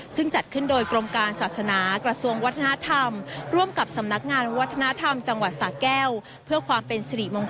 ซึ่งจัดขึ้นโดยกรมการศาสนากระทรวงวัฒนธรรม